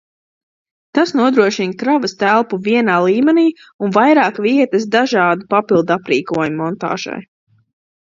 Tas nodrošina kravas telpu vienā līmenī un vairāk vietas dažādu papildaprīkojumu montāžai.